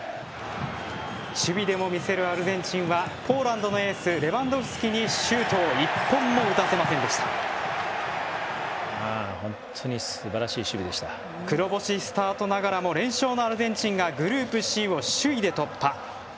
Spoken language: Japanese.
守備でも見せるアルゼンチンはポーランドのエースレバンドフスキにシュートを本当に黒星スタートながらも連勝のアルゼンチンがグループＣを首位で突破。